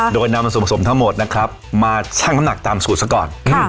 โดยนำส่วนผสมทั้งหมดนะครับมาชั่งน้ำหนักตามสูตรซะก่อน